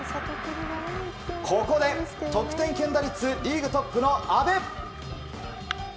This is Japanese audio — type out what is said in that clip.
ここで得点圏打率リーグトップの阿部。